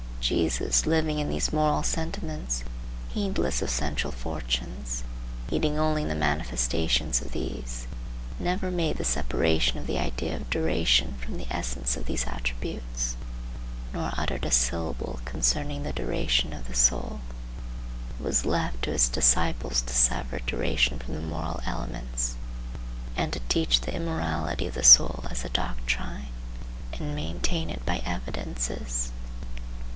Jesus, living in these moral sentiments, heedless of sensual fortunes, heeding only the manifestations of these, never made the separation of the idea of duration from the essence of these attributes, nor uttered a syllable concerning the duration of the soul. It was left to his disciples to sever duration from the moral elements, and to teach the immortality of the soul as a doctrine, and maintain it by evidences.